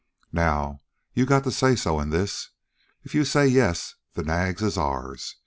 "Now, you got the say so in this. If you say yes, the nags is ourn.